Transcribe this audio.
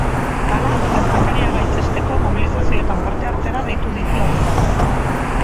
Hala, gertakaria gaitzesteko mobilizazioetan parte hartzera deitu ditu herritarrak.